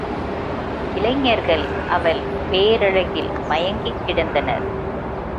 இளைஞர்கள் அவள் பேரழகில் மயங்கிக் கிடந்தனர்.